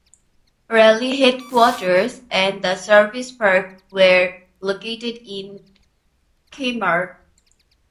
Rally headquarters and the service park were located in Kemer.